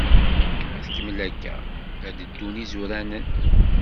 Ma tkemmel akka, ad d-ddun izuranen.